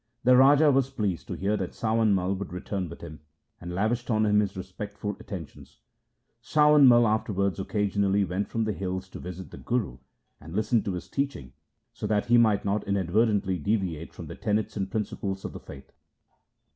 The Raja was pleased to hear that Sawan Mai would return with him, and lavished on him his respectful attentions. Sawan Mai afterwards occasionally went from the hills to visit the Guru, and listen to his teaching, so that he might not inadvertently deviate from the tenets and principles of the faith.